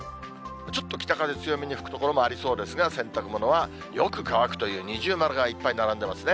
ちょっと北風強めに吹く所もありそうですが、洗濯物はよく乾くという二重丸がいっぱい並んでますね。